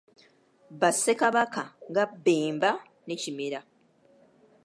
Ba ssekabaka nga Bbemba ne Kimera.